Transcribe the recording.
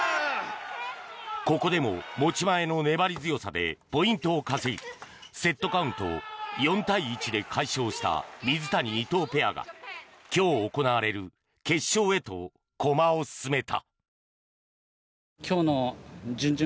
ここでも持ち前の粘り強さでポイントを稼ぎセットカウント４対１で快勝した水谷・伊藤ペアが今日行われる決勝へと駒を進めた。